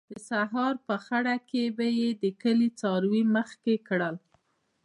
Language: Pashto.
د سهار په خړه کې به یې د کلي څاروي مخکې کړل.